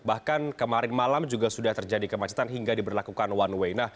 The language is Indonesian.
bahkan kemarin malam juga sudah terjadi kemacetan hingga diberlakukan one way